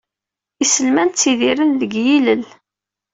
Iselman ttidiren deg yilel.